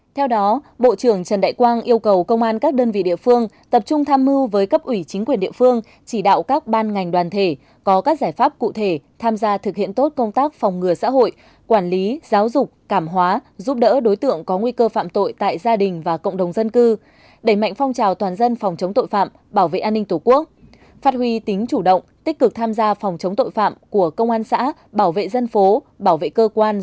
theo đó bộ trưởng trần đại quang yêu cầu công an các đơn vị địa phương tập trung tham mưu với cấp ủy chính quyền địa phương chỉ đạo các ban ngành đoàn thể có các giải pháp cụ thể tham gia thực hiện tốt công tác phòng ngừa xã hội quản lý giáo dục cảm hóa giúp đỡ đối tượng có nguy cơ phạm tội tại gia đình và cộng đồng dân cư đẩy mạnh phong trào toàn dân phòng chống tội phạm bảo vệ an ninh tổ quốc phát huy tính chủ động tích cực tham gia phòng chống tội phạm của công an xã bảo vệ dân phố bảo vệ c